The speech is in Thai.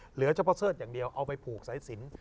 เหลือเฉพาะเสิร์ชอย่างเดียวเอาไปผูกสายสิน